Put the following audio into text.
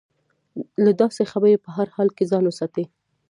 له داسې خبرې په هر حال کې ځان وساتي.